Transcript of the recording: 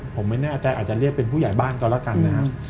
ผมไม่แน่ใจอาจจะเรียกเป็นผู้ใหญ่บ้านก็แล้วกันนะครับ